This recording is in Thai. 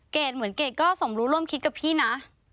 เหมือนเกรดก็สมรู้ร่วมคิดกับพี่นะ